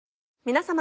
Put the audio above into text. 皆様。